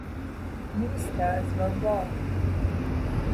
Ministers were warned.